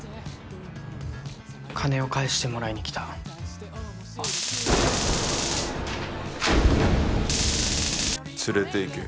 金を返してもらいに来た。連れていけ。